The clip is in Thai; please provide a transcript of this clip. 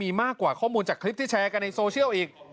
มีมากกว่าข้อมูลจากคลิปที่แชร์กันในโซเชียลอีก